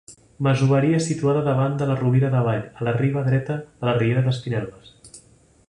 Masoveria situada davant de la Rovira d'Avall, a la riba dreta de la riera d'Espinelves.